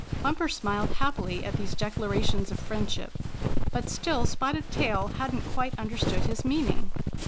Bumper smiled happily at these declarations of friendship, but still Spotted Tail hadn't quite understood his meaning.